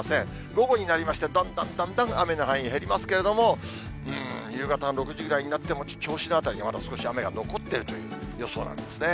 午後になりまして、だんだんだんだん雨の範囲、減りますけれども、夕方の６時ぐらいになっても、銚子の辺りには、まだ少し雨が残っているという予想なんですね。